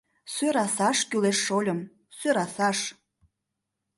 — Сӧрасаш кӱлеш, шольым, сӧрасаш!